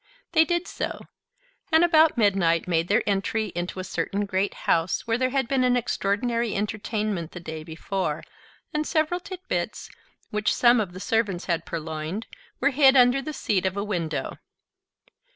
They did so; and about midnight made their entry into a certain great house, where there had been an extraordinary entertainment the day before, and several tit bits, which some of the servants had purloined, were hid under the seat of a window.